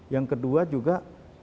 yang kedua juga